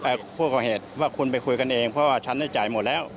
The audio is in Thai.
ผู้ก่อเหตุว่าคุณไปคุยกันเองเพราะว่าฉันได้จ่ายหมดแล้ว